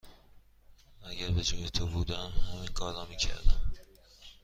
اگر به جای تو بودم، من همین کار را می کردم.